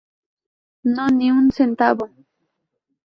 No, ni un centavo!